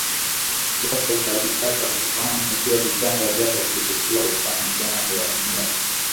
Jacob alitaka kufahamu pia vitanda vyao vilikuwa upande gani wa vyumba